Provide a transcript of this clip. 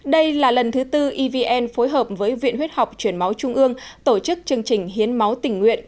đây là lần thứ tư evn phối hợp với viện huyết học truyền máu trung ương tổ chức chương trình hiến máu tình nguyện